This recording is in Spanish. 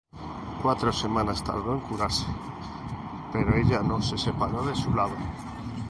Cuatro semanas tardó en curarse, pero ella no se separó de su lado.